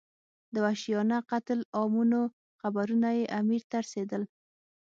د وحشیانه قتل عامونو خبرونه یې امیر ته رسېدل.